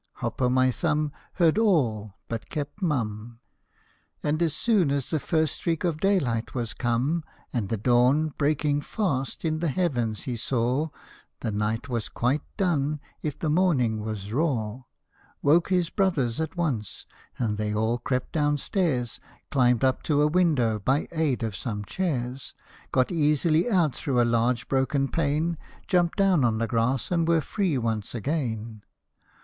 Hop o' my Thumb Heard all, but kept mum ; And as soon as the first streak of daylight was come, And the dawn " breaking fast " in the heavens he saw (The night was quite done, if the morning was raw), Woke his brothers at once ; and they all crept downstairs, Climbed up to a window by aid of some chairs, Got easily out through a large broken pane, Jumped clown on the grass, and were free once again